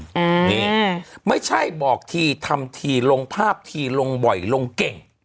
อืมนี่ไม่ใช่บอกทีทำทีลงภาพทีลงบ่อยลงเก่ง